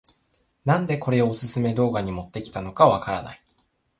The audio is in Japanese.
なんでこれをオススメ動画に持ってきたのかわからない